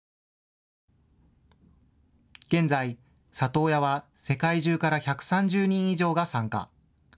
現在、里親は世界中から１３０人以上が参加。